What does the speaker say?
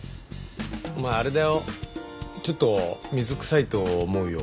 お前あれだよちょっと水くさいと思うよ。